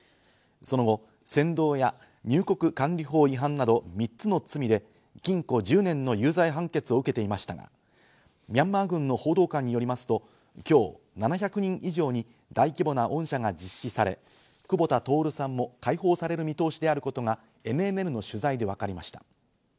その後、扇動や入国管理法違反など３つの罪で禁錮１０年の有罪判決を受けていましたが、ミャンマー軍の報道官によりますと今日７００人以上に大規模な恩赦が実施され、久保田徹さんも解放される見通しであることがＮＮＮの取材でわかりました。